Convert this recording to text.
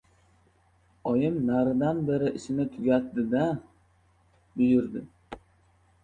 Oyim naridan-beri ishini tugatdi-da, buyurdi: